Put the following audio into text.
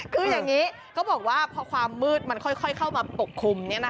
คืออย่างนี้เขาบอกว่าพอความมืดมันค่อยเข้ามาปกคลุม